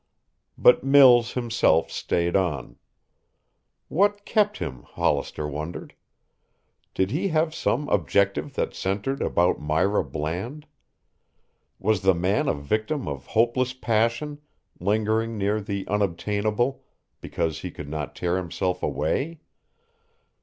But Mills himself stayed on. What kept him, Hollister wondered? Did he have some objective that centered about Myra Bland? Was the man a victim of hopeless passion, lingering near the unobtainable because he could not tear himself away?